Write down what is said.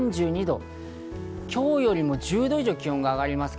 今日よりも１０度以上気温が上がります。